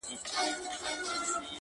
تا سالو زما له منګولو کشولای!.